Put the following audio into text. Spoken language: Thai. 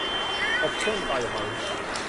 กบเต้นต่อยหอย